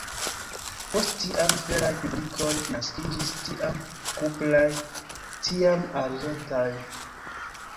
Post tiam, feraj pikiloj naskiĝis, tiam kupraj, tiam arĝentaj.